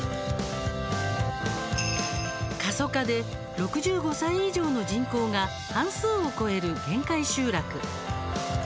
過疎化で６５歳以上の人口が半数を超える限界集落。